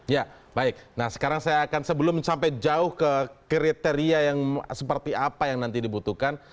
ya baik nah sekarang saya akan sebelum sampai jauh ke kriteria yang seperti apa yang nanti dibutuhkan